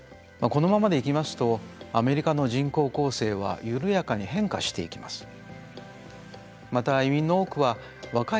このままでいきますとアメリカの人口構成は緩やかに変化していきます。